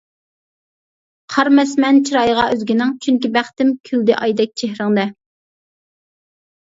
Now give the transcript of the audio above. قارىماسمەن چىرايىغا ئۆزگىنىڭ، چۈنكى بەختىم كۈلدى ئايدەك چېھرىڭدە.